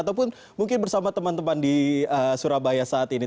ataupun mungkin bersama teman teman di surabaya saat ini